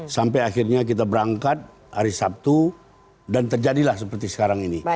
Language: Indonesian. sampai akhirnya kita berangkat hari sabtu dan terjadilah seperti sekarang ini